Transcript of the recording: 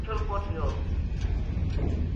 مچھل پوہچیو